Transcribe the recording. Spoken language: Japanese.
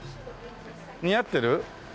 似合ってる？